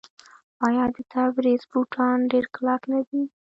آیا د تبریز بوټان ډیر کلک نه دي؟